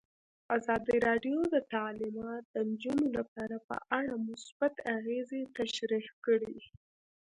ازادي راډیو د تعلیمات د نجونو لپاره په اړه مثبت اغېزې تشریح کړي.